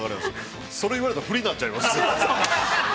◆それ言われたら、振りになっちゃいますよ。